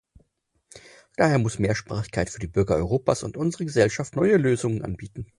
Daher muss Mehrsprachigkeit für die Bürger Europas und unsere Gesellschaft neue Lösungen anbieten.